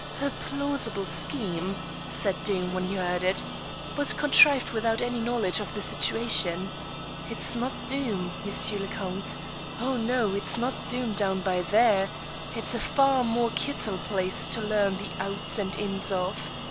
"A plausible scheme," said Doom when he heard it, "but contrived without any knowledge of the situation. It's not Doom, M. le Count oh no, it's not Doom down by there; it's a far more kittle place to learn the outs and ins of.